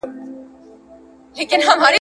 عقيده مي د فرهاد